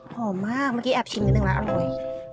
มากเมื่อกี้แอบชิมนิดนึงแล้วอร่อย